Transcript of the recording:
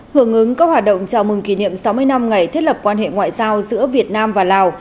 hưởng ứng các hoạt động chào mừng kỷ niệm sáu mươi năm ngày thiết lập quan hệ ngoại giao giữa việt nam và lào